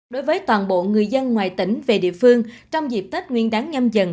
đối với toàn bộ người dân ngoài tỉnh về địa phương trong dịp tết nguyên đáng nhâm dần hai nghìn hai mươi hai